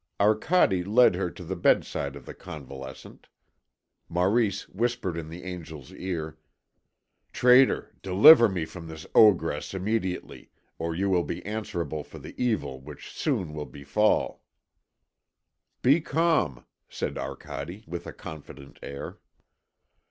Arcade led her to the bedside of the convalescent. Maurice whispered in the angel's ear: "Traitor, deliver me from this ogress immediately, or you will be answerable for the evil which will soon befall." "Be calm," said Arcade, with a confident air.